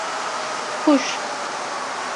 Kuş